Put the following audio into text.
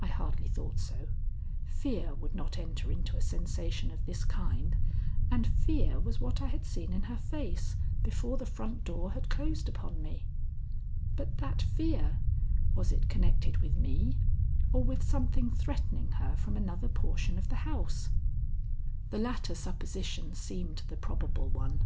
I hardly thought so. Fear would not enter into a sensation of this kind, and fear was what I had seen in her face before the front door had closed upon me. But that fear? Was it connected with me or with something threatening her from another portion of the house? The latter supposition seemed the probable one.